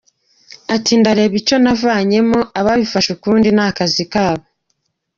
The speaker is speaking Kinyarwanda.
Ati “Ndareba icyo navanyemo, ababifashe ukundi ni akazi kabo.